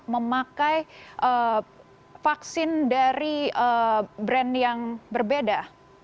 memakai vaksin dari brand yang berbeda